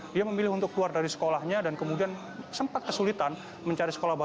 dia memilih untuk keluar dari sekolahnya dan kemudian sempat kesulitan mencari sekolah baru